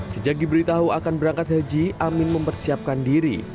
sejak ghibri tahu akan berangkat haji amin mempersiapkan diri